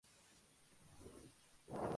Arencibia fue internacional en una ocasión.